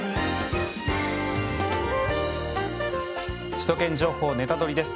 「首都圏情報ネタドリ！」です。